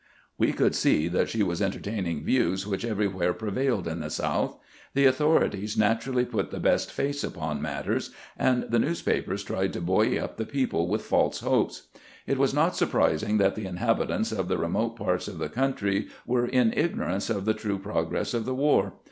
"We could see that she was entertaining views which everywhere prevailed in the South. The authorities naturally put the best face upon matters, and the news papers tried to buoy up the people with false hopes. It was not surprising that the inhabitants of the remote parts of the country were in ignorance of the true pro gress of the war.